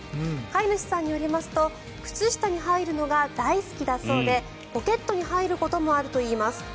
飼い主さんによりますと靴下に入るのが大好きだそうでポケットに入ることもあるといいます。